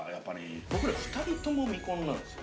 ◆僕ら２人とも未婚なんですよ。